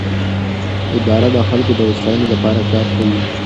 اداره د خلکو د هوساینې لپاره کار کوي.